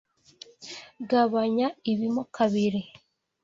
Gabanya ibi mo kabiri.